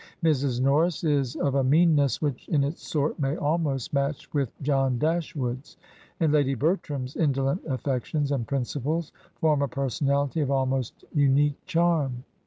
Mrs. Norris is of a meanness which in its sort may almost match with John Dashwood's, and Lady Bertram's indolent affections and principles form a personaUty of almost unique charm.